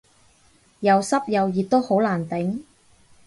又濕又熱都好難頂